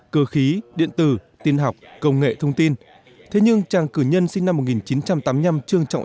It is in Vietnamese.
cơ khí điện tử tiên học công nghệ thông tin thế nhưng chàng cử nhân sinh năm một nghìn chín trăm tám mươi năm trương trọng